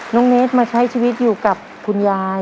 น้องเนสมาใช้ชีวิตอยู่กับคุณยาย